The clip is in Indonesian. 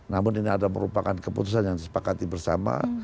namun ini adalah merupakan keputusan yang disepakati bersama